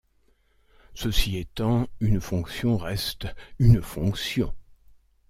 Ceci étant, une fonction reste une fonction.